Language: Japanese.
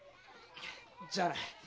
じゃあな。